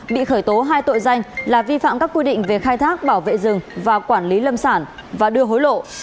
bị khởi tố hai tội danh là vi phạm các quy định về khai thác bảo vệ rừng và quản lý lâm sản và đưa hối lộ